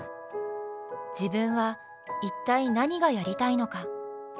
自分は一体何がやりたいのか。